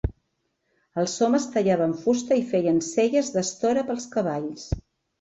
Els homes tallaven fusta i feien selles d'estora pels cavalls.